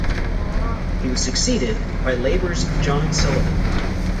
He was succeeded by Labor's Jon Sullivan.